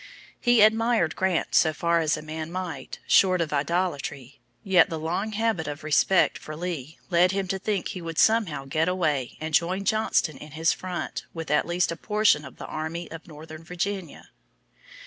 He admired Grant so far as a man might, short of idolatry, yet the long habit of respect for Lee led him to think he would somehow get away and join Johnston in his front with at least a portion of the Army of Northern Virginia.